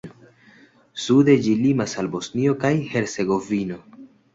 Sude ĝi limas al Bosnio kaj Hercegovino.